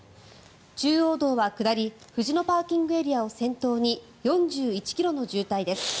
中央道は下り、藤野ＰＡを先頭に４１ｋｍの渋滞です。